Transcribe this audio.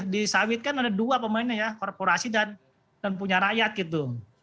di sawit kan ada dua pemainnya ya korporasi dan punya rakyat gitu